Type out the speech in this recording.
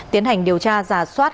tiến hành điều tra giả soát